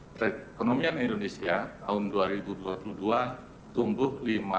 perekonomian indonesia tahun dua ribu dua puluh dua tumbuh lima